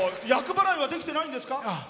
厄払いはできてないんですか？